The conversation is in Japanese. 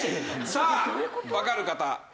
さあわかる方。